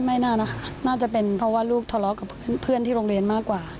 ไม่น่านะคะน่าจะเป็นเพราะว่าลูกทะเลาะกับเพื่อนที่โรงเรียนมากกว่า